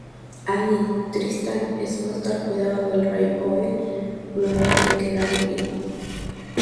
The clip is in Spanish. Ahí, Tristán es puesto al cuidado del rey Hoel luego de quedar herido.